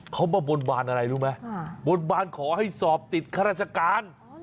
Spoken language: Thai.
เขามาบทบาลอะไรรู้มั้ยบทบาลขอให้สอบติดรัชการ